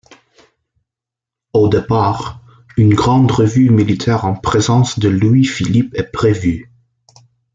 Au départ, une grande revue militaire en présence de Louis-Philippe est prévue.